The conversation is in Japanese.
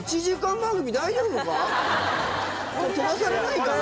これ飛ばされないかな？